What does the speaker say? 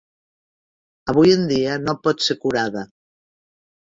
Avui en dia no pot ser curada.